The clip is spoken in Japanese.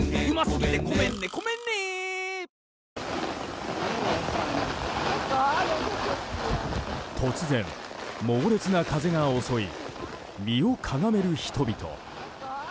新しくなった突然、猛烈な風が襲い身をかがめる人々。